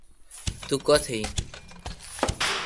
تو کوتھ این۔